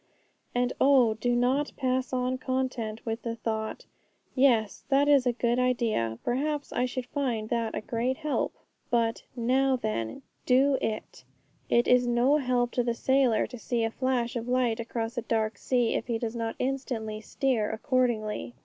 And oh, do not pass on content with the thought, 'Yes, that is a good idea; perhaps I should find that a great help!' But, 'Now, then, do it.' It is no help to the sailor to see a flash of light across a dark sea, if he does not instantly steer accordingly.